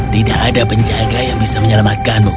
tidak ada penjaga yang bisa menyelamatkanmu